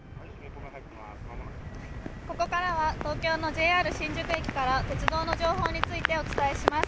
ここからは東京のＪＲ新宿駅から鉄道の情報についてお伝えします。